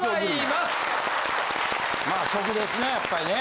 まあ食ですねやっぱりね。